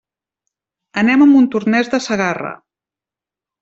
Anem a Montornès de Segarra.